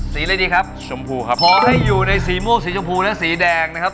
อะไรดีครับชมพูครับขอให้อยู่ในสีม่วงสีชมพูและสีแดงนะครับ